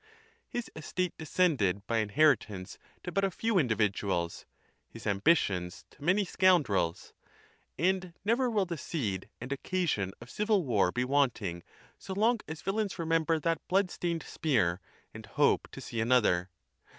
His estate descended by inheritance to but a few indi 29 viduals, his ambitions to many scoundrels. And never will the seed and occasion of civil war be wanting, so long as villains remember that blood stained spear and hope to see anotlier.